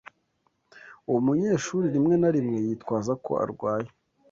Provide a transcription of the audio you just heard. Uwo munyeshuri rimwe na rimwe yitwaza ko arwaye.